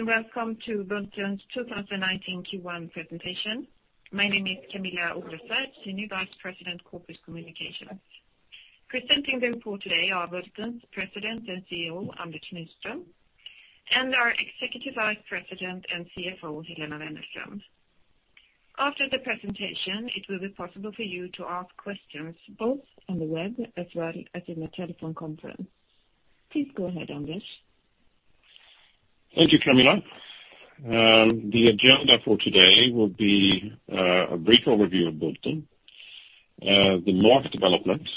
Welcome to Bulten's 2019 Q1 presentation. My name is Kamilla Oresvärd, Senior Vice President, Corporate Communications. Presenting the report today are Bulten's President and CEO, Anders Nyström, and our Executive Vice President and CFO, Helena Wennerström. After the presentation, it will be possible for you to ask questions both on the web as well as in the telephone conference. Please go ahead, Anders. Thank you, Kamilla. The agenda for today will be a brief overview of Bulten, the market development,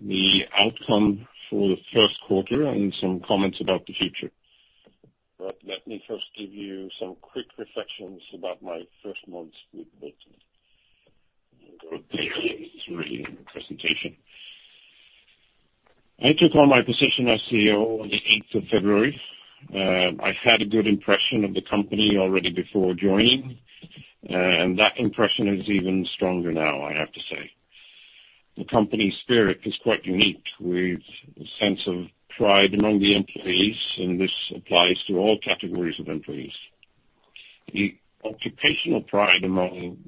the outcome for the first quarter, and some comments about the future. Let me first give you some quick reflections about my first months with Bulten. I'll go through this reading the presentation. I took on my position as CEO on the 8th of February. I had a good impression of the company already before joining, and that impression is even stronger now, I have to say. The company spirit is quite unique, with a sense of pride among the employees, and this applies to all categories of employees. The occupational pride among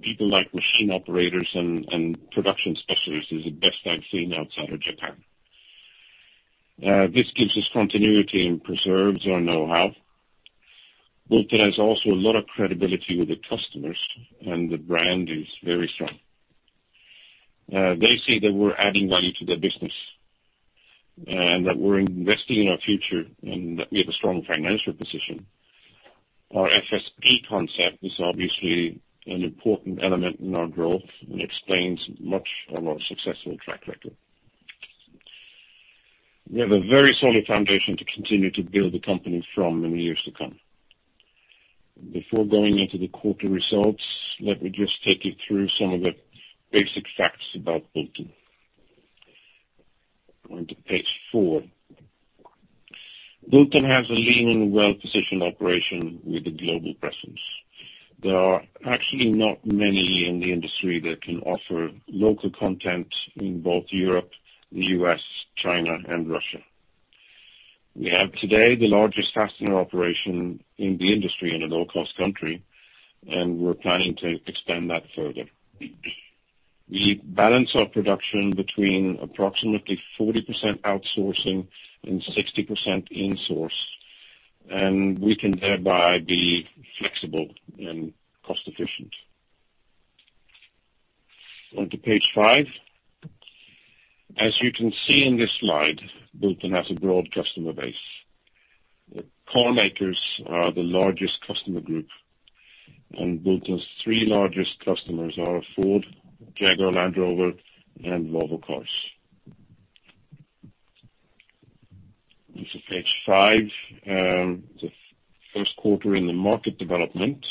people like machine operators and production specialists is the best I've seen outside of Japan. This gives us continuity and preserves our knowhow. Bulten has also a lot of credibility with the customers, and the brand is very strong. They see that we're adding value to their business, and that we're investing in our future, and that we have a strong financial position. Our FSP concept is obviously an important element in our growth and explains much of our successful track record. We have a very solid foundation to continue to build the company from in the years to come. Before going into the quarter results, let me just take you through some of the basic facts about Bulten. On to page four. Bulten has a lean and well-positioned operation with a global presence. There are actually not many in the industry that can offer local content in both Europe, the U.S., China, and Russia. We have today the largest fastener operation in the industry in a low-cost country, and we're planning to expand that further. We balance our production between approximately 40% outsourcing and 60% insourced, and we can thereby be flexible and cost efficient. On to page five. As you can see in this slide, Bulten has a broad customer base. The car makers are the largest customer group, and Bulten's three largest customers are Ford, Jaguar Land Rover, and Volvo Cars. On to page five, the first quarter in the market development.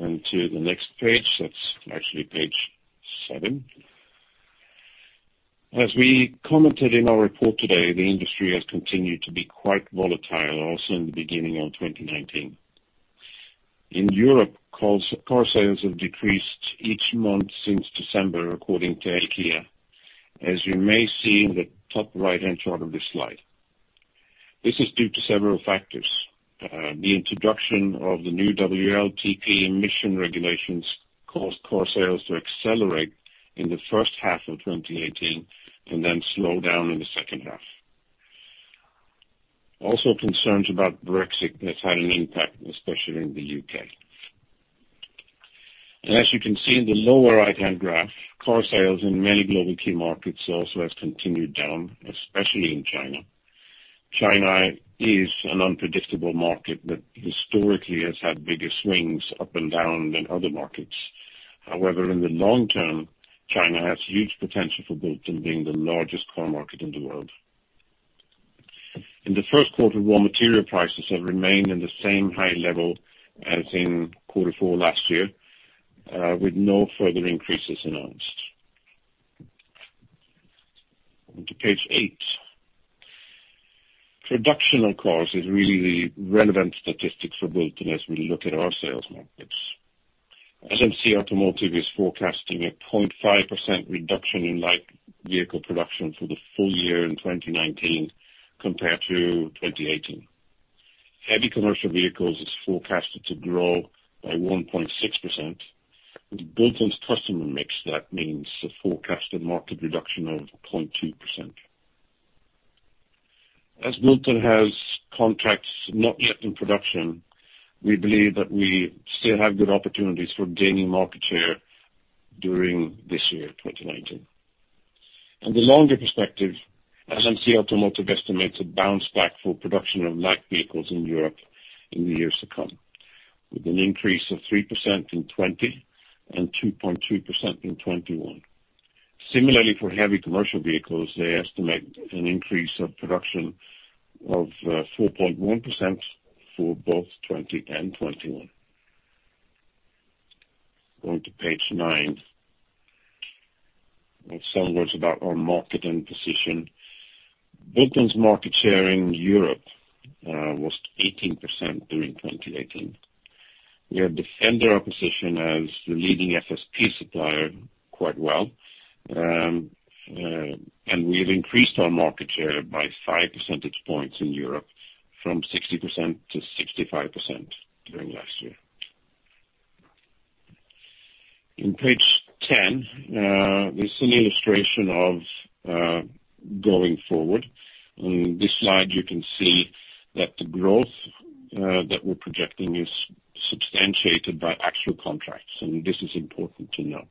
On to the next page, that's actually page seven. As we commented in our report today, the industry has continued to be quite volatile, also in the beginning of 2019. In Europe, car sales have decreased each month since December, according to ACEA, as you may see in the top right-hand chart of this slide. This is due to several factors. The introduction of the new WLTP emission regulations caused car sales to accelerate in the first half of 2018 and then slow down in the second half. Concerns about Brexit has had an impact, especially in the U.K. As you can see in the lower right-hand graph, car sales in many global key markets also has continued down, especially in China. China is an unpredictable market that historically has had bigger swings up and down than other markets. However, in the long term, China has huge potential for Bulten being the largest car market in the world. In the first quarter, raw material prices have remained in the same high level as in quarter four last year, with no further increases announced. On to page eight. Production on cars is really the relevant statistics for Bulten as we look at our sales markets. LMC Automotive is forecasting a 0.5% reduction in light vehicle production for the full year in 2019 compared to 2018. Heavy commercial vehicles is forecasted to grow by 1.6%. With Bulten's customer mix, that means a forecasted market reduction of 0.2%. As Bulten has contracts not yet in production, we believe that we still have good opportunities for gaining market share during this year, 2019. In the longer perspective, LMC Automotive estimates a bounce back for production of light vehicles in Europe in the years to come, with an increase of 3% in 2020 and 2.2% in 2021. Similarly, for heavy commercial vehicles, they estimate an increase of production of 4.1% for both 2020 and 2021. Going to page nine. Some words about our market and position. Bulten's market share in Europe was 18% during 2018. We have defended our position as the leading FSP supplier quite well. We have increased our market share by five percentage points in Europe from 60%-65% during last year. In page 10, there's an illustration of going forward. On this slide, you can see that the growth that we're projecting is substantiated by actual contracts. This is important to know.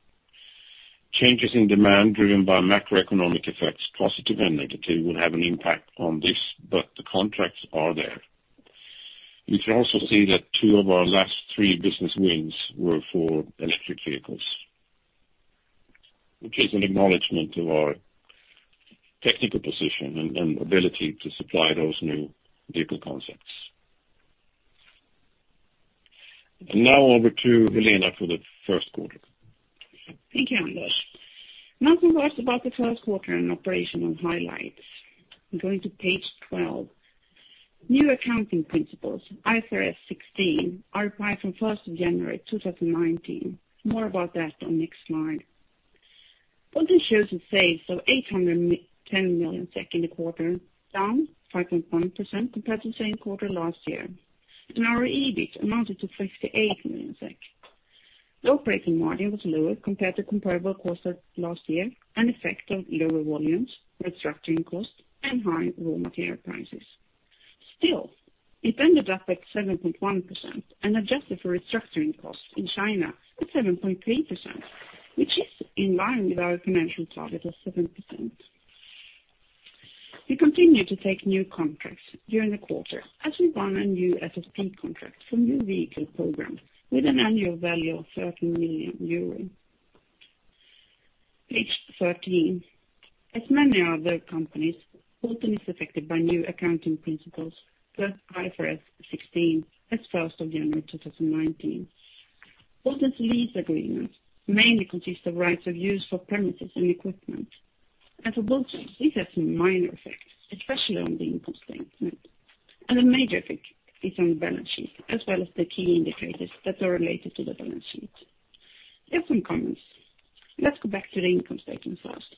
Changes in demand driven by macroeconomic effects, positive and negative, will have an impact on this, but the contracts are there. You can also see that two of our last three business wins were for electric vehicles, which is an acknowledgement of our technical position and ability to supply those new vehicle concepts. Now over to Helena for the first quarter. Thank you, Anders. Now to us about the first quarter and operational highlights. Going to page 12. New accounting principles, IFRS 16, are applied from 1st of January 2019. More about that on next slide. Bulten shows a save of SEK 810 million in the quarter, down 5.1% compared to the same quarter last year. Our EBIT amounted to 58 million SEK. The operating margin was lower compared to comparable quarter last year and effect of lower volumes, restructuring costs and high raw material prices. Still, it ended up at 7.1% and adjusted for restructuring costs in China at 7.3%, which is in line with our conventional target of 7%. We continued to take new contracts during the quarter as we won a new FSP contract from new vehicle program with an annual value of 30 million euros. Page 13. As many other companies, Bulten is affected by new accounting principles, plus IFRS 16, as January 1, 2019. Bulten's lease agreements mainly consist of rights of use for premises and equipment. For Bulten, this has minor effects, especially on the income statement, and a major effect is on the balance sheet as well as the key indicators that are related to the balance sheet. There are some comments. Let's go back to the income statement first.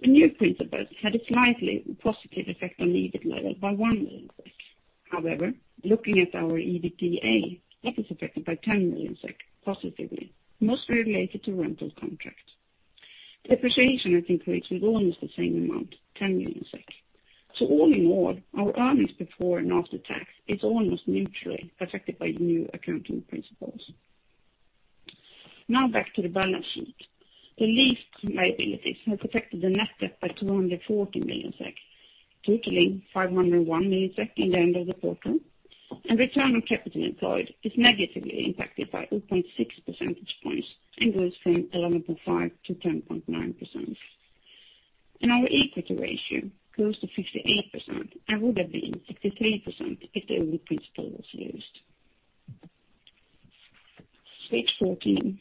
The new principles had a slightly positive effect on the EBIT level by 1 million SEK. However, looking at our EBITDA, that was affected by 10 million SEK positively, mostly related to rental contracts. Depreciation, I think, rates with almost the same amount, 10 million SEK. All in all, our earnings before and after tax is almost neutrally affected by new accounting principles. Now back to the balance sheet. The leased liabilities have affected the net debt by 240 million SEK, totaling 501 million SEK in the end of the quarter, and return on capital employed is negatively impacted by 0.6 percentage points and goes from 11.5%-10.9%. Our equity ratio goes to 58%, and would have been 63% if the old principle was used. Page 14.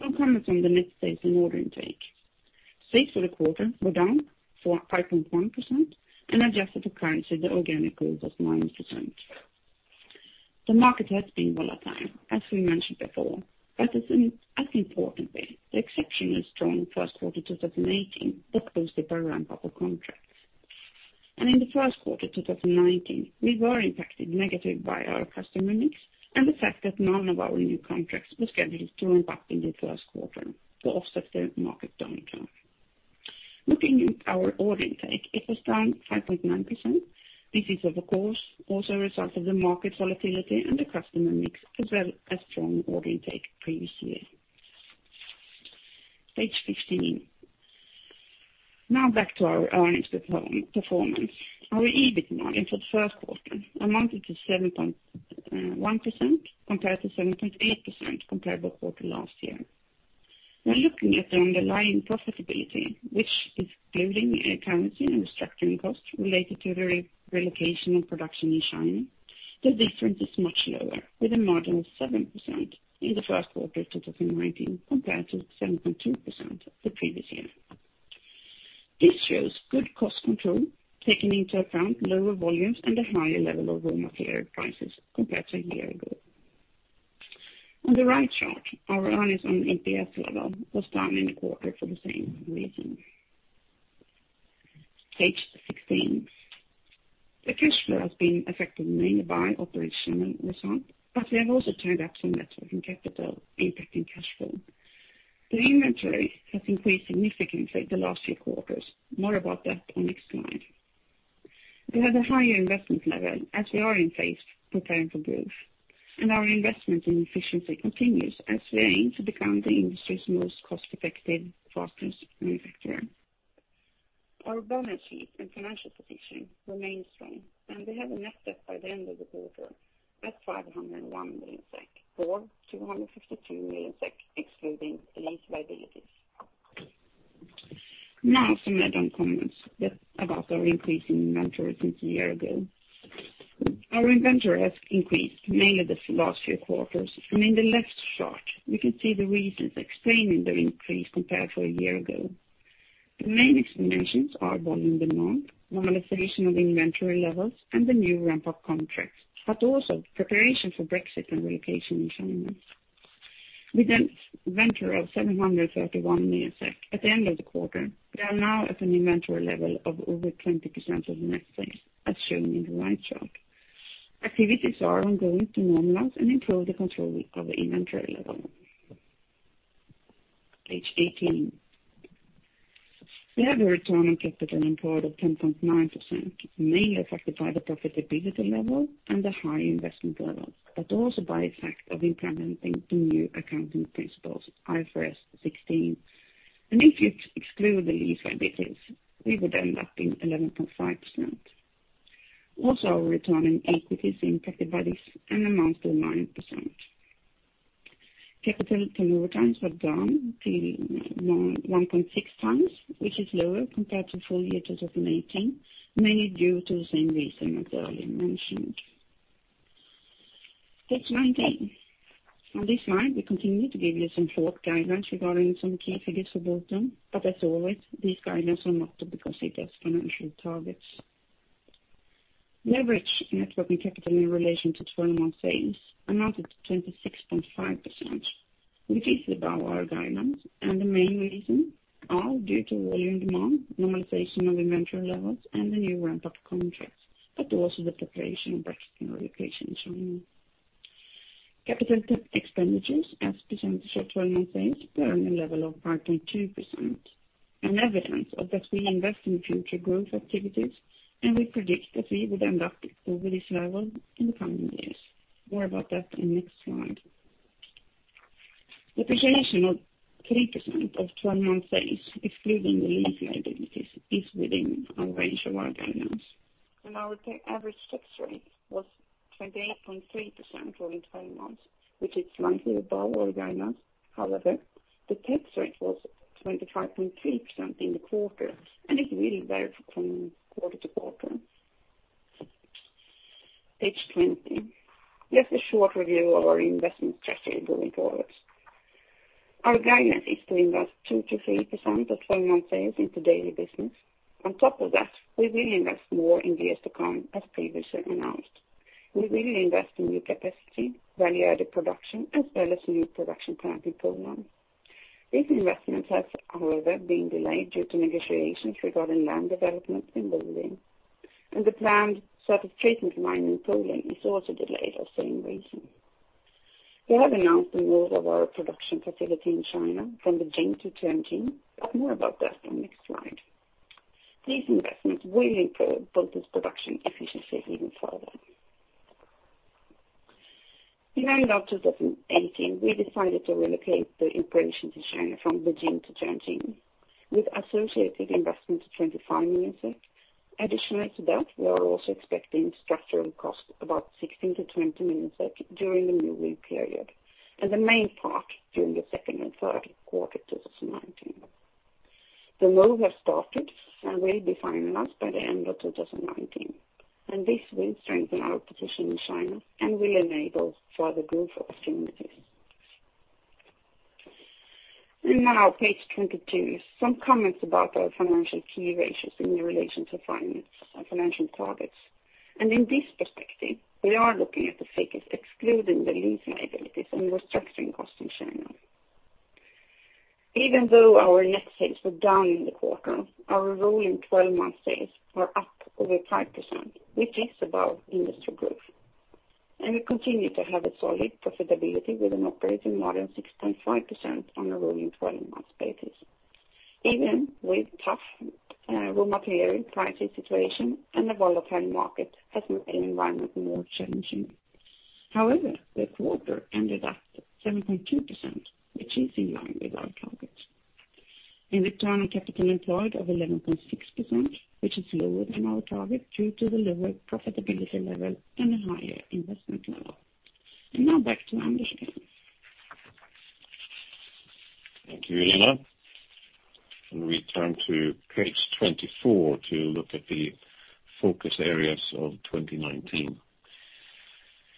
Some comments on the net sales and order intake. Sales for the quarter were down for 5.1%, and adjusted for currency, the organic growth was 9%. The market has been volatile, as we mentioned before, but as importantly, the exceptionally strong first quarter 2018 that was the ramp-up of contracts. In the first quarter 2019, we were impacted negatively by our customer mix and the fact that none of our new contracts was scheduled to ramp up in the first quarter to offset the market downturn. Looking at our order intake, it was down 5.9%. This is, of course, also a result of the market volatility and the customer mix as well as strong order intake previous year. Page 15. Now back to our earnings performance. Our EBIT margin for the first quarter amounted to 7.1% compared to 7.8% comparable quarter last year. Now looking at the underlying profitability, which is including currency and restructuring costs related to the relocation of production in China, the difference is much lower, with a margin of 7% in the first quarter of 2019 compared to 7.2% the previous year. This shows good cost control taken into account lower volumes and a higher level of raw material prices compared to a year ago. On the right chart, our earnings on EPS level was down in the quarter for the same reason. Page 16. The cash flow has been affected mainly by operational results, but we have also turned up some net working capital impacting cash flow. The inventory has increased significantly the last few quarters. More about that on next slide. We have a higher investment level as we are in phase preparing for growth, and our investment in efficiency continues as we aim to become the industry's most cost-effective fastener manufacturer. Our balance sheet and financial position remain strong, and we have a net debt by the end of the quarter at 501 million SEK, or 252 million SEK excluding lease liabilities. Now some add-on comments about our increase in inventory since a year ago. Our inventory has increased mainly this last few quarters. In the left chart, we can see the reasons explaining the increase compared to a year ago. The main explanations are volume demand, normalization of inventory levels, and the new ramp-up contract, but also preparation for Brexit and relocation in China. With an inventory of 731 million at the end of the quarter, we are now at an inventory level of over 20% of the net sales, as shown in the right chart. Activities are ongoing to normalize and improve the control of inventory level. Page 18. We have a return on capital employed of 10.9%, mainly affected by the profitability level and the high investment level, but also by the fact of implementing the new accounting principles, IFRS 16. If you exclude the lease liabilities, we would end up in 11.5%. Also, our return on equity is impacted by this and amounts to 9%. Capital turnover times have gone to 1.6 times, which is lower compared to full year 2018, mainly due to the same reason as earlier mentioned. Page 19. On this slide, we continue to give you some forward guidance regarding some key figures for Bulten. As always, this guidance are not to be considered as financial targets. Leverage, net working capital in relation to 12-month sales, amounted to 26.5%, which is above our guidelines. The main reason are due to volume demand, normalization of inventory levels, and the new ramp-up contracts, but also the preparation of Brexit and relocation in China. Capital expenditures as % of 12-month sales were on a level of 5.2%, an evidence of that we invest in future growth activities. We predict that we would end up with this level in the coming years. More about that in next slide. Depreciation of 3% of 12-month sales, excluding the lease liabilities, is within our range of our guidance. Our average tax rate was 28.3% rolling 12 months, which is slightly above our guidance. However, the tax rate was 25.3% in the quarter, and it really varies from quarter to quarter. Page 20. Just a short review of our investment strategy going forward. Our guidance is to invest 2%-3% of 12-month sales into daily business. On top of that, we will invest more in the years to come, as previously announced. We will invest in new capacity, value-added production, as well as new production plant in Poland. These investments have, however, been delayed due to negotiations regarding land development in Berlin. The planned [certification mine] in Poland is also delayed for same reason. We have announced the move of our production facility in China from Beijing to Tianjin. More about that on next slide. These investments will improve Bulten's production efficiency even further. In early 2018, we decided to relocate the operation to China from Beijing to Tianjin with associated investment to 25 million SEK. Additional to that, we are also expecting structural costs about 16 million-20 million SEK during the moving period. The main part during the second and third quarter 2019. The move has started and will be finalized by the end of 2019. This will strengthen our position in China and will enable further growth opportunities. Now page 22. Some comments about our financial key ratios in relation to finance and financial targets. In this perspective, we are looking at the figures excluding the lease liabilities and restructuring costs in China. Even though our net sales were down in the quarter, our rolling 12-month sales were up over 5%, which is above industry growth. We continue to have a solid profitability with an operating margin 6.5% on a rolling 12-month basis. Even with tough raw material pricing situation and a volatile market has made the environment more challenging. However, the quarter ended at 7.2%, which is in line with our targets. In return on capital employed of 11.6%, which is lower than our target due to the lower profitability level and a higher investment level. Now back to Anders again. Thank you, Helena. We turn to page 24 to look at the focus areas of 2019.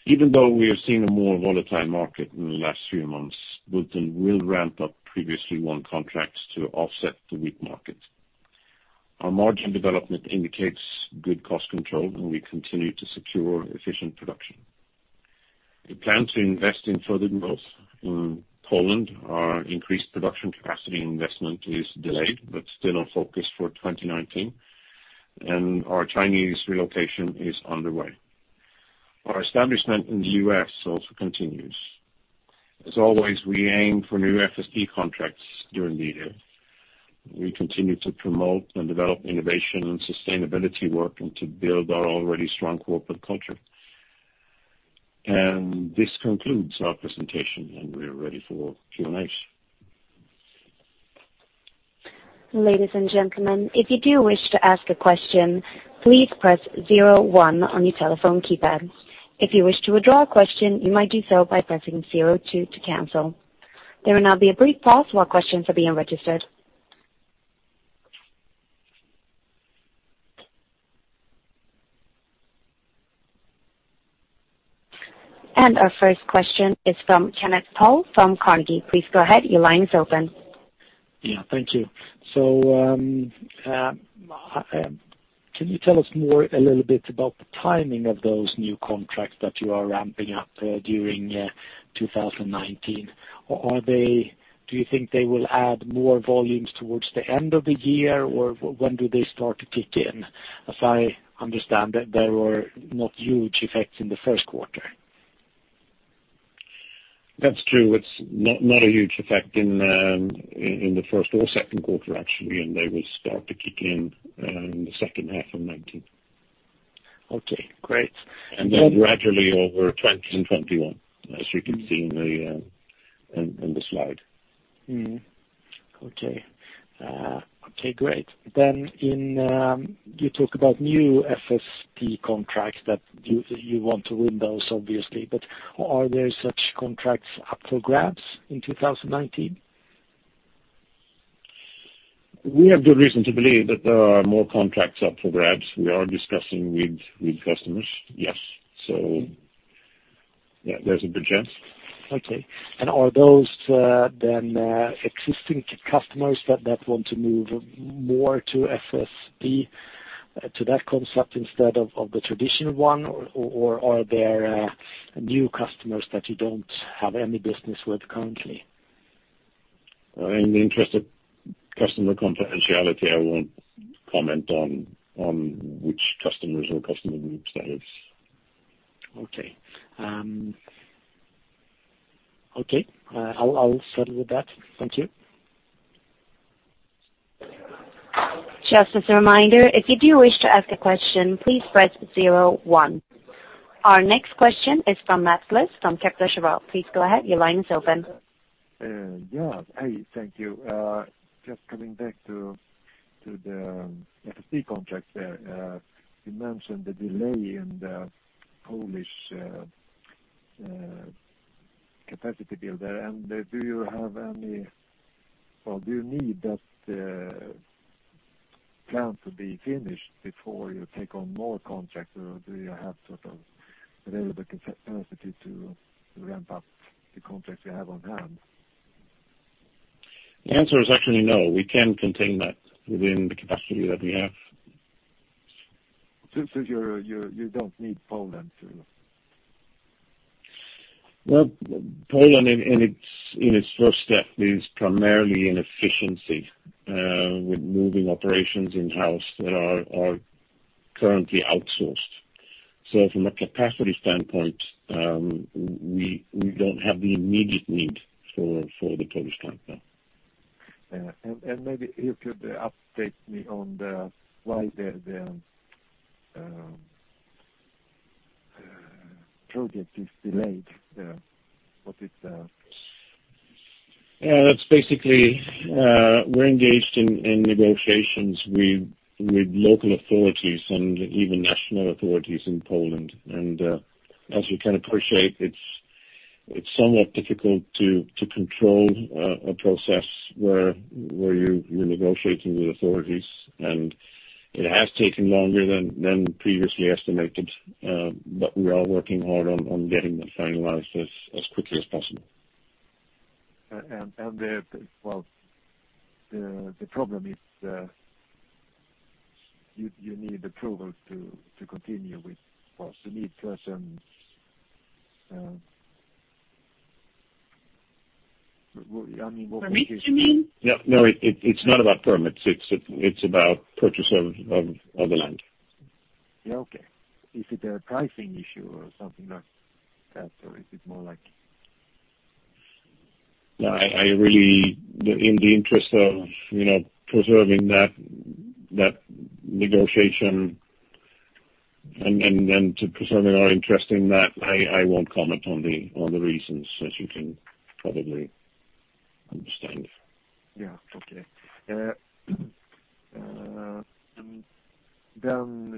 Even though we have seen a more volatile market in the last few months, Bulten will ramp up previously won contracts to offset the weak market. Our margin development indicates good cost control, and we continue to secure efficient production. We plan to invest in further growth in Poland. Our increased production capacity investment is delayed but still on focus for 2019. Our Chinese relocation is underway. Our establishment in the U.S. also continues. As always, we aim for new FSP contracts during the year. We continue to promote and develop innovation and sustainability work and to build our already strong corporate culture. This concludes our presentation, and we are ready for Q&A. Ladies and gentlemen, if you do wish to ask a question, please press zero one on your telephone keypad. If you wish to withdraw a question, you might do so by pressing zero two to cancel. There will now be a brief pause while questions are being registered. Our first question is from Kenneth Toll from Carnegie. Please go ahead. Your line is open. Yeah, thank you. Can you tell us more a little bit about the timing of those new contracts that you are ramping up during 2019? Do you think they will add more volumes towards the end of the year, or when do they start to kick in? As I understand that there were not huge effects in the first quarter. That's true. It's not a huge effect in the first or second quarter, actually, and they will start to kick in the second half of 2019. Okay, great. Gradually over 2020 and 2021, as you can see in the slide. Okay. Great. You talk about new FSP contracts that you want to win those, obviously, but are there such contracts up for grabs in 2019? We have good reason to believe that there are more contracts up for grabs. We are discussing with customers. Yes. Yeah, there's a good chance. Okay. Are those then existing customers that want to move more to FSP, to that concept instead of the traditional one, or are there new customers that you don't have any business with currently? In the interest of customer confidentiality, I won't comment on which customers or customer groups that is. Okay. I'll settle with that. Thank you. Just as a reminder, if you do wish to ask a question, please press zero one. Our next question is from Mats Liss from Kepler Cheuvreux. Please go ahead. Your line is open. Yeah. Hey, thank you. Just coming back to the FSP contract there. You mentioned the delay in the Polish capacity build there. Do you need that plan to be finished before you take on more contracts, or do you have sort of available capacity to ramp up the contracts you have on hand? The answer is actually no. We can contain that within the capacity that we have. You don't need Poland to Well, Poland, in its first step, is primarily in efficiency, with moving operations in-house that are currently outsourced. From a capacity standpoint, we don't have the immediate need for the Polish plant now. Yeah. Maybe if you could update me on why the project is delayed. Yeah, that's basically, we're engaged in negotiations with local authorities and even national authorities in Poland. As you can appreciate, it's somewhat difficult to control a process where you're negotiating with authorities, and it has taken longer than previously estimated. We are working hard on getting that finalized as quickly as possible. Well, the problem is you need approval to continue with. Well, you need persons, I mean. Permits, you mean? Yeah, no, it's not about permits. It's about purchase of the land. Yeah. Okay. Is it a pricing issue or something like that? Or is it more like? No. In the interest of preserving that negotiation and then to preserving our interest in that, I won't comment on the reasons, as you can probably understand. Yeah. Okay.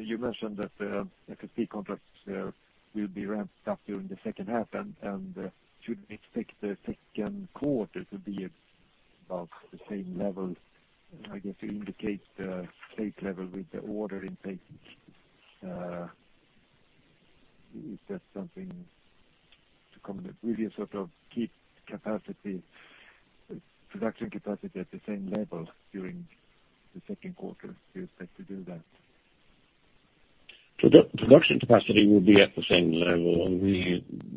You mentioned that the FSP contracts there will be ramped up during the second half, and should we expect the second quarter to be above the same level, I guess, indicate the same level with the order intake? Is that something to comment? Will you sort of keep capacity, production capacity at the same level during the second quarter? Do you expect to do that? Production capacity will be at the same level.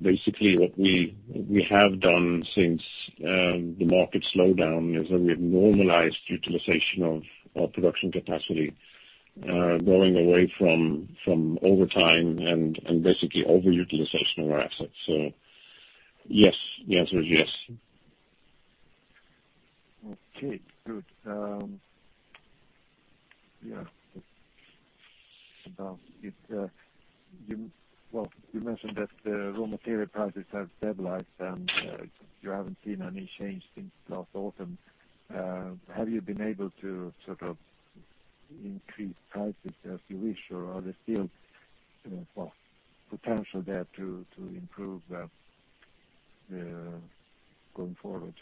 Basically, what we have done since the market slowdown is that we have normalized utilization of our production capacity, going away from overtime and basically overutilization of our assets. Yes. The answer is yes. Okay, good. Yeah. Well, you mentioned that raw material prices have stabilized. You haven't seen any change since last autumn. Have you been able to sort of increase prices as you wish, or are there still potential there to improve going forward?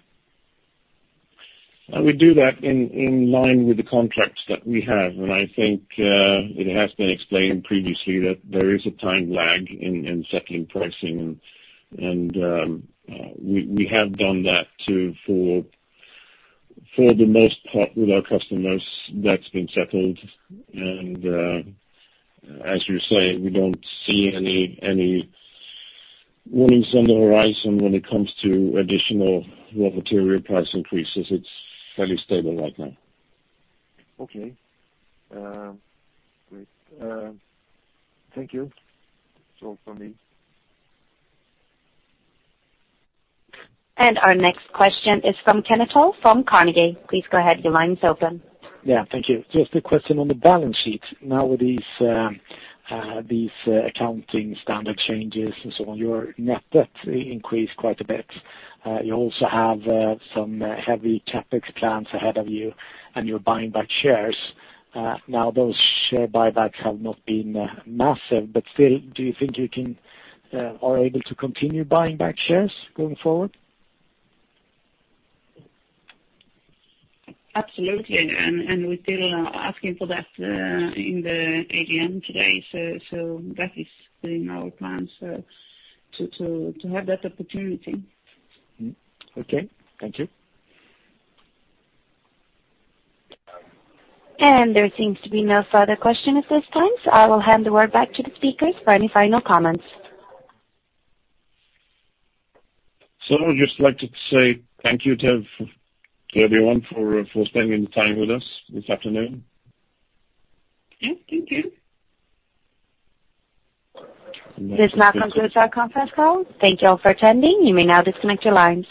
We do that in line with the contracts that we have. I think it has been explained previously that there is a time lag in settling pricing. We have done that for the most part with our customers. That's been settled. As you say, we don't see any warnings on the horizon when it comes to additional raw material price increases. It's fairly stable right now. Okay. Great. Thank you. That's all from me. Our next question is from Kenneth Toll from Carnegie. Please go ahead, your line is open. Yeah, thank you. Just a question on the balance sheet. Now with these accounting standard changes and so on, your net debt increased quite a bit. You also have some heavy CapEx plans ahead of you, and you're buying back shares. Now, those share buybacks have not been massive, but still, do you think you are able to continue buying back shares going forward? Absolutely. We're still asking for that in the AGM today. That is in our plans to have that opportunity. Okay. Thank you. There seems to be no further questions at this time, I will hand the word back to the speakers for any final comments. I would just like to say thank you to everyone for spending time with us this afternoon. Yeah. Thank you. This now concludes our conference call. Thank you all for attending. You may now disconnect your lines.